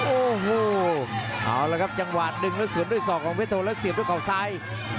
โอ้โหเอาละครับจังหวะดึงแล้วสวนด้วยศอกของเพชรโทแล้วเสียบด้วยเขาซ้าย